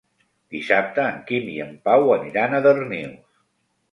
Dissabte en Quim i en Pau aniran a Darnius.